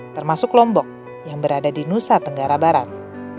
termasuk lombok yang berada di nusa tenggara barat